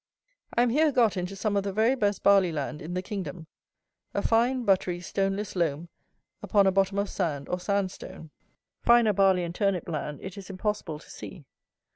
I am here got into some of the very best barley land in the kingdom; a fine, buttery, stoneless loam, upon a bottom of sand or sand stone. Finer barley and turnip land it is impossible to see.